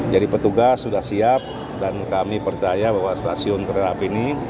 jadi petugas sudah siap dan kami percaya bahwa stasiun kereta api ini